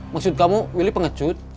maksud kamu willy pengecut